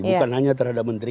bukan hanya terhadap menteri